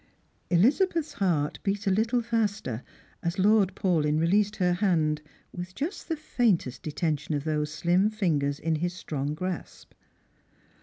Elizabeth's heai t beat a little faster as Lord Paulyn released 108 Strangers and Pilgrims. her hand, with just the faintest detention of those slim fingers n his strong grasp.